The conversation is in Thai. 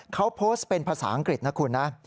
เขาโพสต์เป็นภาษาอังกฤษนะคุณนะ